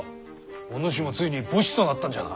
お主もついに武士となったんじゃな。